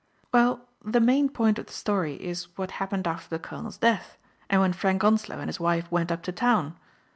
" Well, the main point of the story is what happened after the colonel's death, and when Frank Onslow and his wife went up to town.